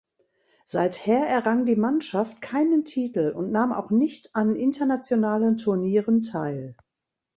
Seither errang die Mannschaft keinen Titel und nahm auch nicht an internationalen Turnieren teil.